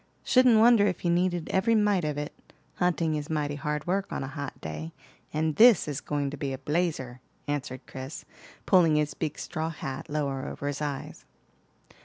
"Shouldn't wonder if you needed every mite of it. Hunting is mighty hard work on a hot day, and this is going to be a blazer," answered Chris, pulling his big straw hat lower over his eyes.